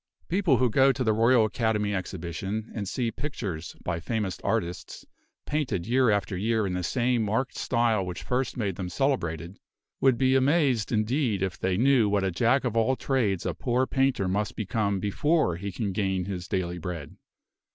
People who go to the Royal Academy Exhibition, and see pictures by famous artists, painted year after year in the same marked style which first made them celebrated, would be amazed indeed if they knew what a Jack of all trades a poor painter must become before he can gain his daily bread.